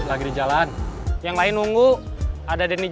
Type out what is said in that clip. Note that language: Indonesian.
kak wli berencana aja deh